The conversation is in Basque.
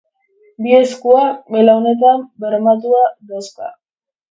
Bi eskuak belaunetan bermatuta dauzka.